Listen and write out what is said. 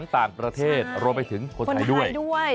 ต่างประเทศรวมไปถึงคนไทยด้วย